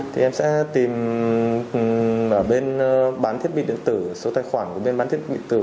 thì em sẽ tìm ở bên bán thiết bị điện tử số tài khoản của bên bán thiết bị tử